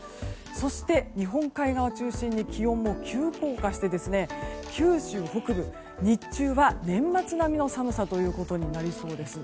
そして、日本海側中心に気温も急降下して九州北部、日中は年末並みの寒さとなりそうです。